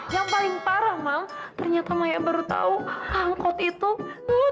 yang paling parah mal ternyata maya baru tahu angkot itu